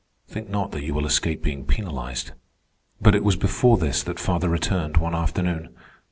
Think not that you will escape being penalized." But it was before this that father returned one afternoon.